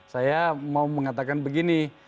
saya mau mengatakan begini